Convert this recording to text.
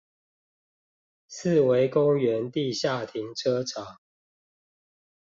四維公園地下停車場